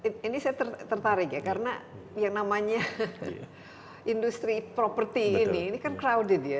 nah ini saya tertarik ya karena yang namanya industri property ini kan crowded ya